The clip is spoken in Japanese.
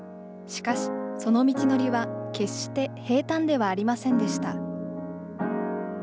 しかし、その道のりは決して平たんではありませんでした。